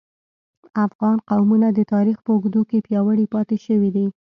افغان قومونه د تاریخ په اوږدو کې پیاوړي پاتې شوي دي